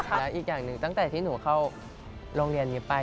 แล้วอีกอย่างหนึ่งตั้งแต่ที่หนูเข้าโรงเรียนนี้ไป